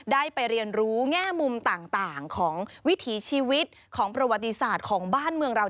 ได้ไปเรียนรู้แง่มุมต่างของวิถีชีวิตของประวัติศาสตร์ของบ้านเมืองเรา